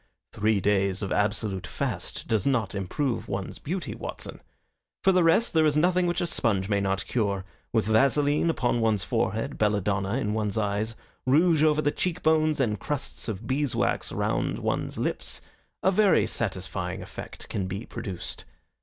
"Three days of absolute fast does not improve one's beauty, Watson. For the rest, there is nothing which a sponge may not cure. With vaseline upon one's forehead, belladonna in one's eyes, rouge over the cheek bones, and crusts of beeswax round one's lips, a very satisfying effect can be produced.